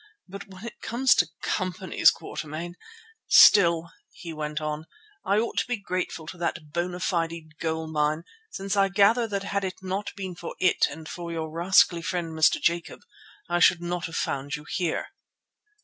But when it comes to companies, Quatermain——! Still," he went on, "I ought to be grateful to that Bona Fide Gold Mine, since I gather that had it not been for it and for your rascally friend, Mr. Jacob, I should not have found you here."